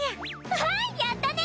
わいやったね！